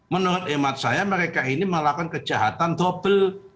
menurut emat saya mereka ini melakukan kejahatan dobel